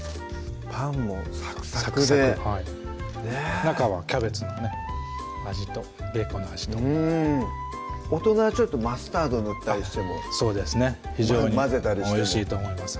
パンもサクサクでねぇ中はキャベツのね味とベーコンの味と大人はちょっとマスタード塗ったりしてもそうですね非常においしいと思います